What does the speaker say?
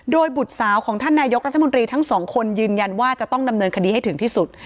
โดยบุตรสาวของท่านนายกรัฐมนตรีทั้งสองคนยืนยันว่าจะต้องดำเนินคดีให้ถึงที่สุด